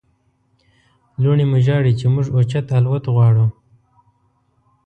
لوڼې مو ژاړي چې موږ اوچت الوت غواړو.